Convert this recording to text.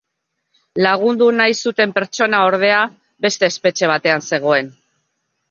Lagundu nahi zuten pertsona, ordea, beste espetxe batean zegoen.